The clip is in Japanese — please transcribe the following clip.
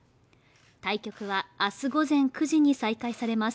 対局は明日午前９時に再開されます